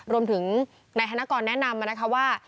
รวมถึงนายธนกรแนะนำมานะคะว่า